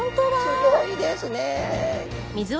すギョいですね。